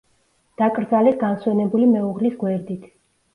დაკრძალეს განსვენებული მეუღლის გვერდით.